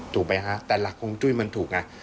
ถูกไหมฮะแต่หลักฮงจุ้ยมันถูกไง